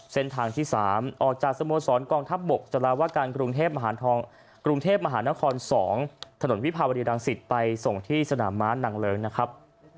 เส้นทางที่๓ออกจากสโมสรกองทัพบกจราวการกรุงเทพมหานคร๒ถนนวิภาวดีรังสิตไปส่งที่สนามม้านางเลิ้งนะครับ